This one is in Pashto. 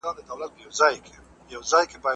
آيا د خاوند او ميرمني تر منځ اړيکه ضروري ده؟